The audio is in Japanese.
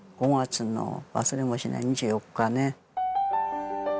５月の忘れもしない２４日ね。